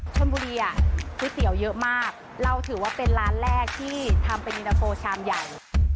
ชนบุรีอ่ะก๋วยเตี๋ยวเยอะมากเราถือว่าเป็นร้านแรกที่ทำเป็นเย็นตะโฟชามใหญ่